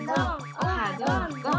オハどんどん！